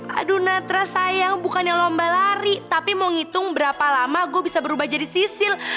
aduh natra sayang bukannya lomba lari tapi mau ngitung berapa lama gue bisa berubah jadi sisil